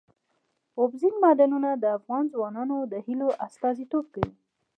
اوبزین معدنونه د افغان ځوانانو د هیلو استازیتوب کوي.